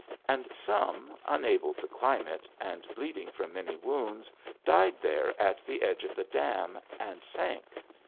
And some, unable to climb it, and bleeding from many wounds, died there at the edge of the dam and sank.